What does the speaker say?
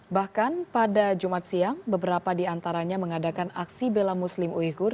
bahkan pada jumat siang beberapa di antaranya mengadakan aksi bela muslim uyghur